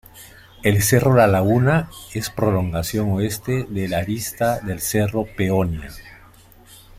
El Cerro La Laguna es prolongación oeste de la arista del Cerro Peonía.